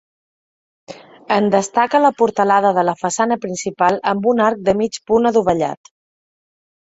En destaca la portalada de la façana principal amb un arc de mig punt adovellat.